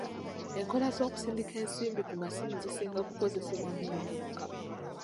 Enkola z'okusindika ensimbi ku masimu zisinga kukosebwa nnyo bavubuka.